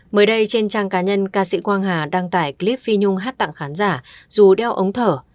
mới đây trên trang cá nhân ca sĩ quang hà đăng tải clip phi nhung hát tặng khán giả dù đeo ống thở